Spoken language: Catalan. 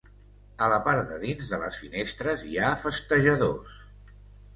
A la part de dins de les finestres hi ha festejadors.